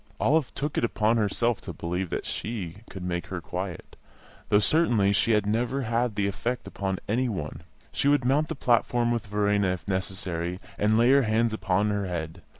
Olive took upon herself to believe that she could make her quiet, though, certainly, she had never had that effect upon any one; she would mount the platform with Verena if necessary, and lay her hands upon her head.